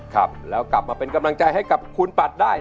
ครับแล้วกลับมาเป็นกำลังใจให้กับคุณปัดได้